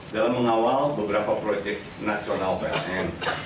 dalam mengawal beberapa proyek nasional pln